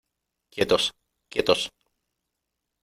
¡ quietos !...¡ quietos !...